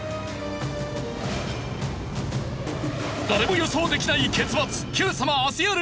誰も予想できない結末。